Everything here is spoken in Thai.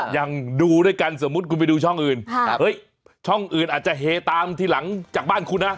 ยังดูด้วยกันสมมุติคุณไปดูช่องอื่นช่องอื่นอาจจะเฮตามทีหลังจากบ้านคุณนะ